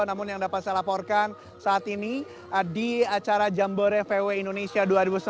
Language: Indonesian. namun yang dapat saya laporkan saat ini di acara jambore vw indonesia dua ribu sembilan belas